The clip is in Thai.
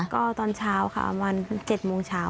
ก็ตอนเช้าค่ะวัน๗โมงเช้า